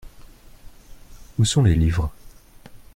Où sont les livres ?